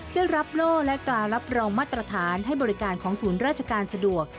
ได้รับโล่และการรับรองมาตรฐานให้บริการของศูนย์ราชการสะดวก